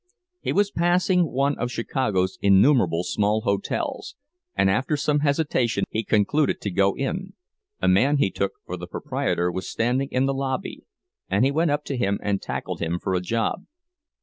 He was passing one of Chicago's innumerable small hotels, and after some hesitation he concluded to go in. A man he took for the proprietor was standing in the lobby, and he went up to him and tackled him for a job.